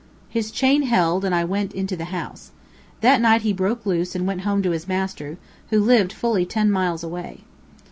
His chain held and I went into the house. That night he broke loose and went home to his master, who lived fully ten miles away.